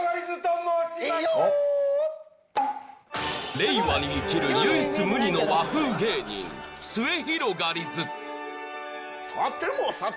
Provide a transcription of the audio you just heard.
令和に生きる唯一無二の和風芸人いよっ！